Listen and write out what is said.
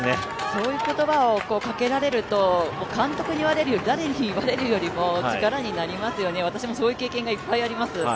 そういう言葉をかけられると、監督に言われるより、誰に言われるよりも力になりますよね、私もそういう経験がいっぱいあります。